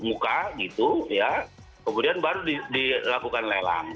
membutuhkan waktu itu ya kemudian baru dilakukan lelang